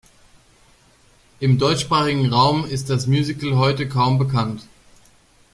Im deutschsprachigen Raum ist das Musical heute kaum bekannt.